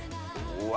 うわ！